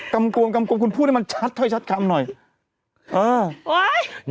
เล็กอ้าวขวดเล็กเล็ก